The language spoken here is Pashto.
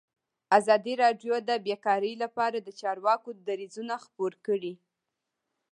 ازادي راډیو د بیکاري لپاره د چارواکو دریځ خپور کړی.